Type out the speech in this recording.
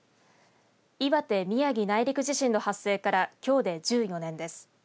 岩手・宮城内陸地震の発生からきょうで１４年です。